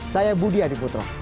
saya budi adiputro